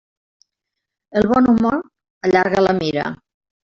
El bon humor allarga la mira.